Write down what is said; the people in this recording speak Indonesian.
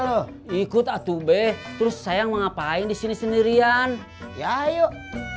lu ikut atuh beh terus sayang ngapain di sini sendirian ya yuk